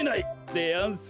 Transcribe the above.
でやんす。